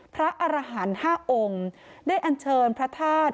พระอรหันต์๕องค์ได้อันเชิญพระธาตุ